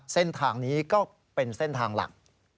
เส้นทางนี้ก็เป็นเส้นทางหลัก